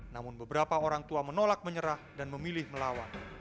namun beberapa orang tua menolak menyerah dan memilih melawan